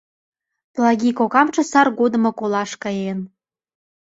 Палаги кокамже сар годымак олаш каен.